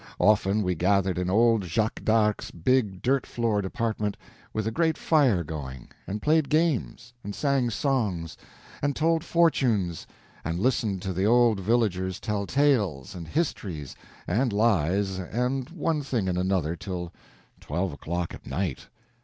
Often we gathered in old Jacques d'Arc's big dirt floored apartment, with a great fire going, and played games, and sang songs, and told fortunes, and listened to the old villagers tell tales and histories and lies and one thing and another till twelve o'clock at night.